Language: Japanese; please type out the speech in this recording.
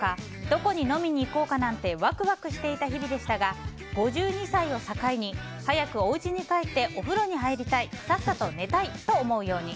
どこに飲みに行こうか？なんてワクワクしていた日々でしたが５２歳を境に早くおうちに帰ってお風呂に入りたいさっさと寝たいと思うように。